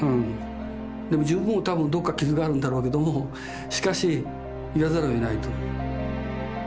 でも自分も多分どっか傷があるんだろうけどもしかし言わざるをえないと。